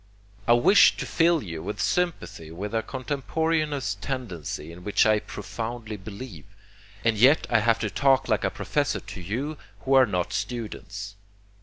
I wish to fill you with sympathy with a contemporaneous tendency in which I profoundly believe, and yet I have to talk like a professor to you who are not students.